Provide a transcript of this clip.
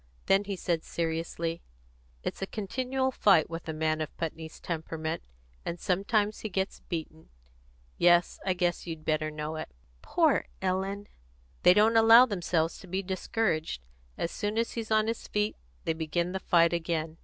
Then he said seriously: "It's a continual fight with a man of Putney's temperament, and sometimes he gets beaten. Yes, I guess you'd better know it." "Poor Ellen!" "They don't allow themselves to be discouraged. As soon as he's on his feet they begin the fight again.